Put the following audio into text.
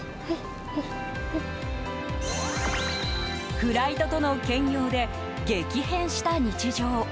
フライトとの兼業で激変した日常。